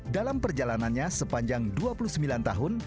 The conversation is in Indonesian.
dalam perjalanannya sepanjang dua puluh sembilan tahun